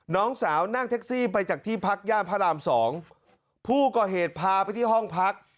น้องสาวนั่งแท็กซี่ไปจากที่พักย่านพระรามสองผู้ก่อเหตุพาไปที่ห้องพัก